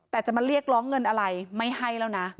แต่จะมาเรียกร้องเงินอะไรไม่ให้แล้วนะ